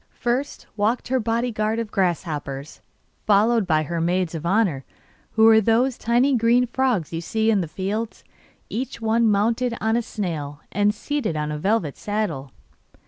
First walked her bodyguard of grasshoppers, followed by her maids of honour, who were those tiny green frogs you see in the fields, each one mounted on a snail, and seated on a velvet saddle.